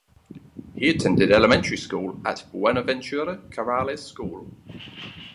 He attended elementary school at Buenaventura Corrales School.